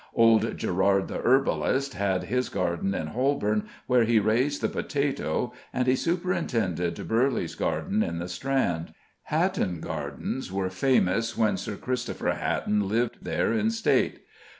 Old Gerard, the herbalist, had his garden in Holborn, where he raised the potato, and he superintended Burleigh's garden in the Strand. Hatton Gardens were famous when Sir Christopher Hatton lived there in state.